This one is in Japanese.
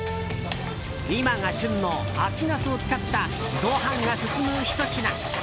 今が旬の秋ナスを使ったご飯が進むひと品。